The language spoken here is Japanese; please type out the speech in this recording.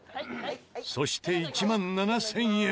そしてもう１万７０００円？